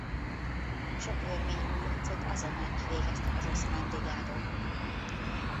Sok örmény újoncot azonnal kivégeztek az oszmán brigádok.